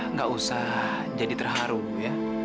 nggak usah jadi terharu ya